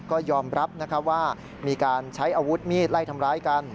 ก็ยอมรับว่ามีการใช้อาวุธมีดไล่ทำร้ายกัน